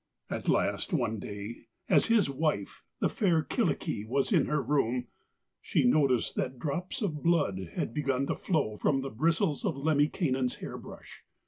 At last one day, as his wife, the fair Kyllikki, was in her room, she noticed that drops of blood had begun to flow from the bristles of Lemminkainen's hair brush.